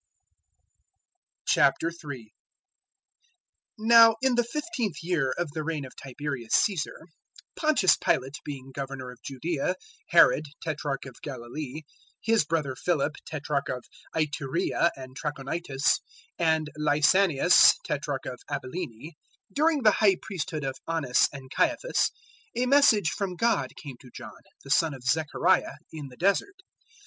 003:001 Now in the fifteenth year of the reign of Tiberius Caesar, Pontius Pilate being Governor of Judaea, Herod Tetrarch of Galilee, his brother Philip Tetrarch of Ituraea and Trachonitis, and Lysanias Tetrarch of Abilene, 003:002 during the High priesthood of Annas and Caiaphas, a message from God came to John, the son of Zechariah, in the Desert.